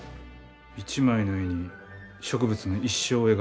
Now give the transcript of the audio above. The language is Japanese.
一枚の絵に植物の一生を描いたのか。